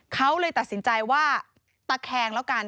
เขาเลยตัดสินใจว่าตะแคงแล้วกัน